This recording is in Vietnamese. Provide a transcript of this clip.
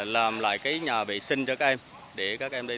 làm lại cái nhà vệ sinh cho các em để các em đi